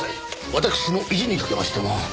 私の意地にかけましても。